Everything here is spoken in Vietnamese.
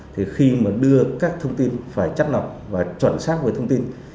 thì khi mà đưa các thông tin phải chắc lọc và chuẩn xác với thông tin